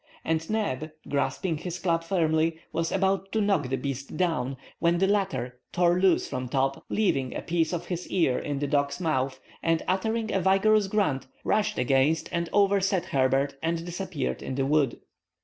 And Neb, grasping his club firmly, was about to knock the beast down, when the latter tore loose from Top, leaving a piece of his ear in the dog's mouth, and uttering a vigorous grunt, rushed against and overset Herbert and disappeared in the wood.